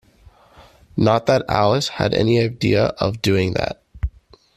Not that Alice had any idea of doing that.